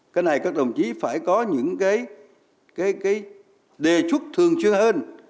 cái này các đồng chí phải có những cái đề xuất thường chưa hơn